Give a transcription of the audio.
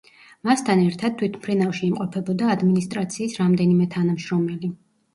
მასთან ერთად თვითმფრინავში იმყოფებოდა ადმინისტრაციის რამდენიმე თანამშრომელი.